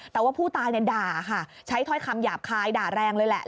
แต่ว่าผู้ตายด่าค่ะใช้ถ้อยคำหยาบคายด่าแรงเลยแหละ